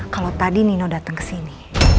kalau tadi nino datang ke sini